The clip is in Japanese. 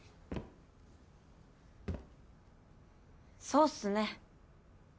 そうっすね。